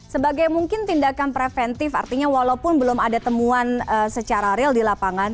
sebagai mungkin tindakan preventif artinya walaupun belum ada temuan secara real di lapangan